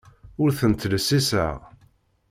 Ur ten-ttlessiseɣ.